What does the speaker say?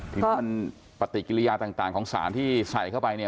ถึงมันปฏิกิริยาต่างของสารที่ใส่เข้าไป